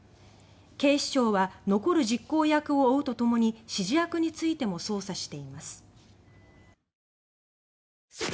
警視庁は残る実行役を追うとともに指示役についても捜査しています。